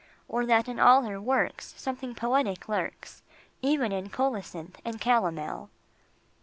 Or that in all her works Something poetic lurks, Even in colocynth and calomel?